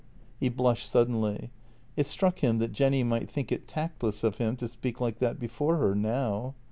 He blushed suddenly. It struck him that Jenny might think it tactless of him to speak like that before her — now.